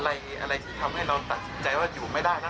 อะไรที่ทำให้เราตัดสินใจว่าอยู่ไม่ได้นะ